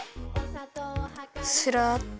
すらっと。